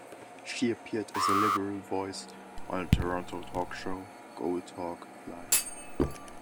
She appeared as the Liberal voice on a Toronto Talk Show, Goldhawk Live!